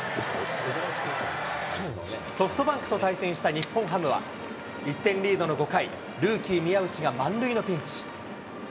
ソフトバンクと対戦した日本ハムは、１点リードの５回、ルーキー、宮内が満塁のピンチ。